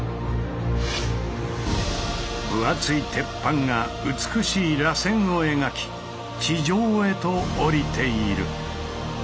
分厚い鉄板が美しいらせんを描き地上へとおりている。